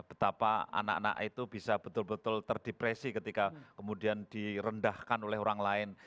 betapa anak anak itu bisa betul betul terdepresi ketika kemudian direndahkan oleh orang lain